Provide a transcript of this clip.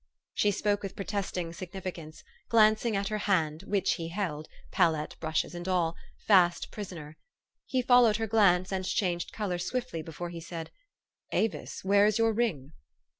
She spoke with protesting significance, glancing at her hand, which he held palette, brushes, and all fast prisoner. He followed her glance, and changed color swiftly before he said, " Avis, where is your ring?